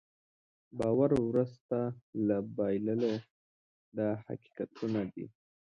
باور وروسته له بایللو دا حقیقتونه دي.